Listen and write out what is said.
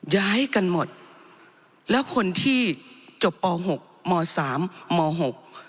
ย้ายกันหมดแล้วคนที่จบปหกมสามมหก